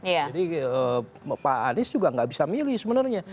jadi pak anies juga gak bisa milih sebenarnya